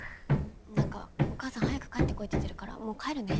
なんかお母さん早く帰って来いって言ってるからもう帰るね。